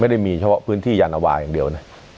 ได้มีเฉพาะพื้นที่ยานวาอย่างเดียวนะ